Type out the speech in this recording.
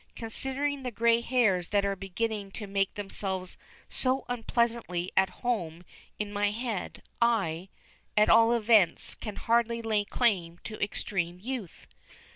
"Considering the gray hairs that are beginning to make themselves so unpleasantly at home in my head, I, at all events, can hardly lay claim to extreme youth."